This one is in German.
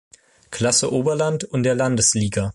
Klasse Oberland und der Landesliga.